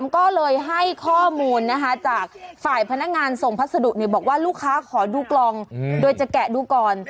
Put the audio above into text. ก็เลยให้ข้อมูลนะคะจากฝ่ายพนักงานส่งพัสดุบอกว่าลูกค้าขอดูกล่องโดยจะแกะดูก่อน